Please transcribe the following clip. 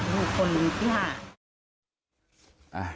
ลูกคนที่๕